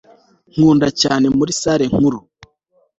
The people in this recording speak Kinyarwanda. Nkunda cyane muri salle nkuru